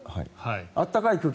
暖かい空気